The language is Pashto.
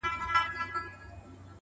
پرېښودلای خو يې نسم،